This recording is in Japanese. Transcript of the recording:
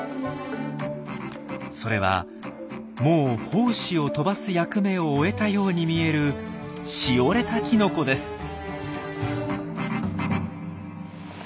それはもう胞子を飛ばす役目を終えたように見えるしおれたきのこです。